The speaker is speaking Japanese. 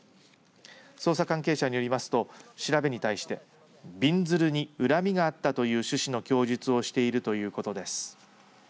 捜査関係者によりますと調べに対してびんずるに恨みがあったという趣旨の供述をしているということです。